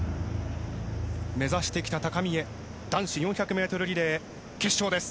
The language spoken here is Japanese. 目指してきた高みへ男子４００ｍリレー決勝です。